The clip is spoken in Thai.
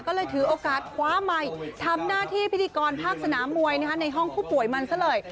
ก็เลยถือโอกาสคว้าไมค์ทำหน้าที่พิธีกรภาคสนามมวยในห้องผู้ป่วยมันซะเลย